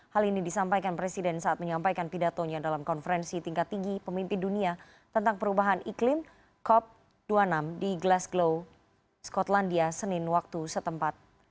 hal ini disampaikan presiden saat menyampaikan pidatonya dalam konferensi tingkat tinggi pemimpin dunia tentang perubahan iklim cop dua puluh enam di glasgow skotlandia senin waktu setempat